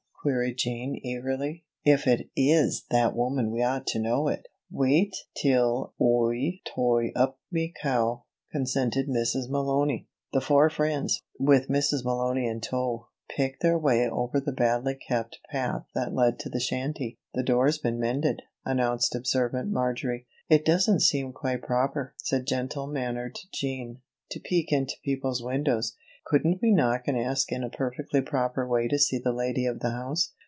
queried Jean, eagerly. "If it is that woman we ought to know it." "Wait till Oi toi up me cow," consented Mrs. Malony. The four friends, with Mrs. Malony in tow, picked their way over the badly kept path that led to the shanty. "The door's been mended," announced observant Marjory. "It doesn't seem quite proper," said gentle mannered Jean, "to peek into people's windows. Couldn't we knock and ask in a perfectly proper way to see the lady of the house?"